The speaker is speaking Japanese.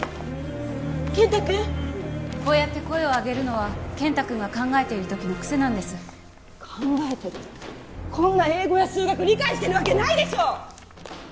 健太君こうやって声を上げるのは健太君が考えている時の癖なんです考えてるってこんな英語や数学理解してるわけないでしょ！